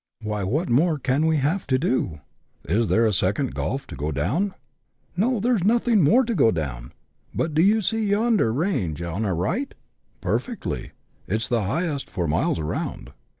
" Why, what more can we have to do ? is there a second 'Gulf to go down?" " No, there's nothing more to go down ; but do you see yonder range on our right ?"'' Perfectly ; it 's the highest for miles round."